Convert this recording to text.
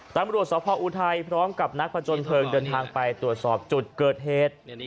ตามบริวสอบพ่ออูไทยพร้อมกับนักประจนเผลินเดินทางไปตรวจสอบจุดเกิดเหตุ